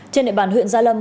trên địa bàn huyện gia lâm